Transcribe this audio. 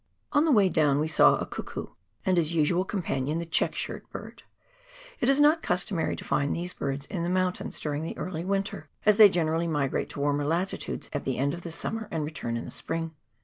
On the way down we saw a cuckoo, and his usual companion the " check shirt " bird. It is not customary to find these birds in the mountains during the early winter, as they gen erally migrate to warmer latitudes at the end of the summer and return in the spring.